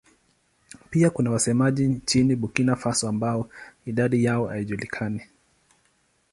Pia kuna wasemaji nchini Burkina Faso ambao idadi yao haijulikani.